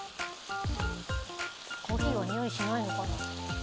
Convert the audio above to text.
コーヒーはにおいしないのかな。